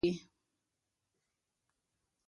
زیات غوښه کول روغتیا ته زیان رسوي.